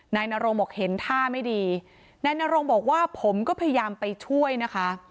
นายนโรงบอกเห็นท่าไม่ดีนายนรงบอกว่าผมก็พยายามไปช่วยนะคะ